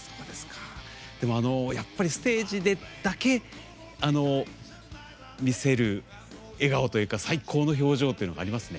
でも、あのステージでだけ見せる笑顔というか最高の表情というのがありますね。